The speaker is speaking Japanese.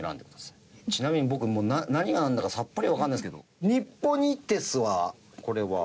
ちなみに僕もう何がなんだかさっぱりわかんないですけどニッポニテスはこれは。